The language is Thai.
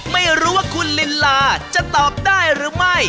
ไม่รู้ว่าคุณลินลาจะตอบได้หรือไม่